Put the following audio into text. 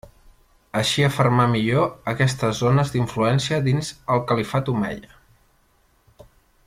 Així afermà millor aquestes zones d'influència dins el califat omeia.